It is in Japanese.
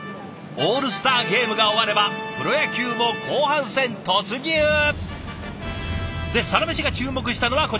オールスターゲームが終わればプロ野球も後半戦突入！で「サラメシ」が注目したのはこちら。